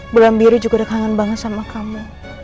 belam biru juga udah kangen banget sama kamu